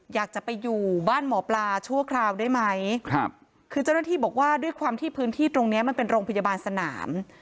อยากจะไปอยู่บ้านหมอปลาชั่วคราวได้ไหมครับคือเจ้าหน้าที่บอกว่าด้วยความที่พื้นที่ตรงเนี้ยมันเป็นโรงพยาบาลสนาม